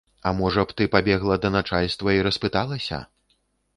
А можа б, ты пабегла да начальства і распыталася.